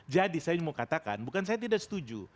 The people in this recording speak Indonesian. jadi saya mau katakan bukan saya tidak setuju